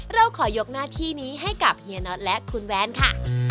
เราขอยกหน้าที่นี้ให้กับเฮียน็อตและคุณแวนค่ะ